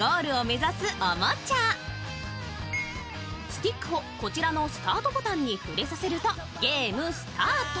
スティックをこちらのスタートボタンに触れさせるとゲームスタート。